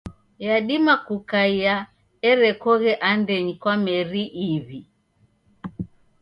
Yadima kukaia erekoghe andenyi kwa meri iw'i.